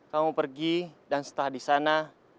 kamu pergi dan setelah di sana